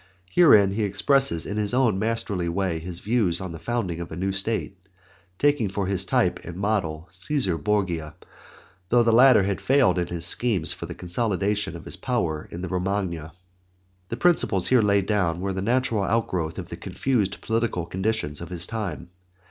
Herein he expresses in his own masterly way his views on the founding of a new state, taking for his type and model Cæsar Borgia, although the latter had failed in his schemes for the consolidation of his power in the Romagna. The principles here laid down were the natural outgrowth of the confused political conditions of his time.